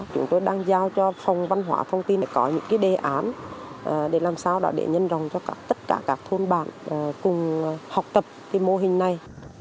chúng tôi đang giao cho phòng văn hóa thông tin để có những đề án để làm sao đó để nhân rồng cho tất cả các thôn bản cùng học tập cái mô hình này